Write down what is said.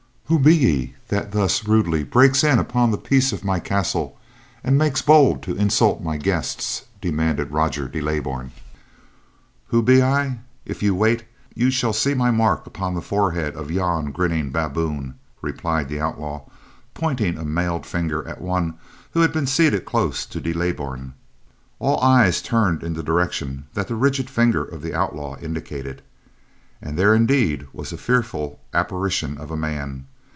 "Who be ye, that thus rudely breaks in upon the peace of my castle, and makes bold to insult my guests?" demanded Roger de Leybourn. "Who be I! If you wait, you shall see my mark upon the forehead of yon grinning baboon," replied the outlaw, pointing a mailed finger at one who had been seated close to De Leybourn. All eyes turned in the direction that the rigid finger of the outlaw indicated, and there indeed was a fearful apparition of a man.